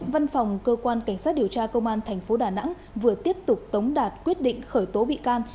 văn phòng cơ quan cảnh sát điều tra công an tp đà nẵng vừa tiếp tục tống đạt quyết định khởi tố bị can